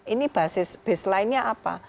ini basis baseline nya apa